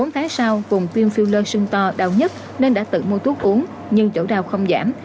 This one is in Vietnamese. bốn tháng sau vùng tiêm filler sưng to đau nhất nên đã tự mua thuốc uống nhưng chỗ đau không giảm